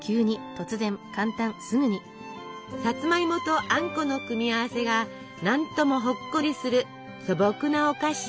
さつまいもとあんこの組み合わせが何ともほっこりする素朴なお菓子。